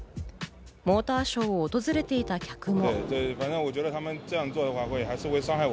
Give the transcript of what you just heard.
モーターショーを訪れていた客も。